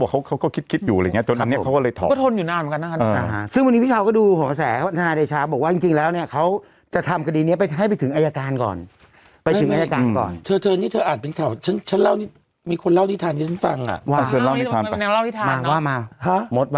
เขาก็คิดอยู่อะไรอย่างเงี้จนอันนี้เขาก็เลยถอนก็ทนอยู่นานเหมือนกันนะครับ